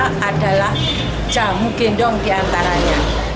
pertama adalah jamu gendong diantaranya